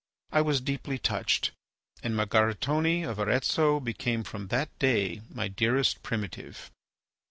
I was deeply touched, and Margaritone, of Arezzo became from that day my dearest primitive.